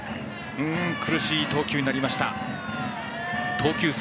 苦しい投球になりましたニックス。